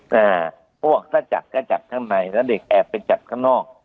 เพราะว่าถ้าจัดก็จัดข้างในถ้าเด็กแอบไปจัดข้างนอก